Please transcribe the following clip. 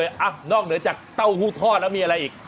นอกเหนือจากเต้าหู้ทอดแล้วมีอะไรอีก